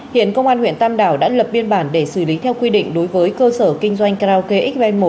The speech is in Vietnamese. hiện công an huyện tam đảo đã lập biên bản để xử lý theo quy định đối với cơ sở kinh doanh karaoke x một